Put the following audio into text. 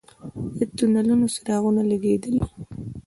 د تونلونو څراغونه لګیدلي؟